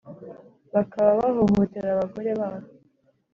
bakaba bahohotera abagore babo